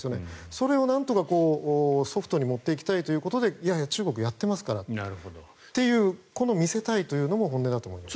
それをなんとかソフトに持っていきたいということでいやいや、中国やってますからというこの見せたいというのも本音だと思いますね。